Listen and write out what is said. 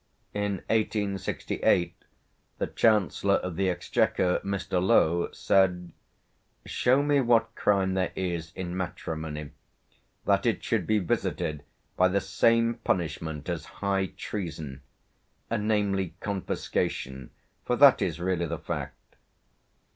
In 1868, the Chancellor of the Exchequer, Mr. Lowe, said: 'Show me what crime there is in matrimony that it should be visited by the same punishment as high treason namely, confiscation, for that is really the fact.'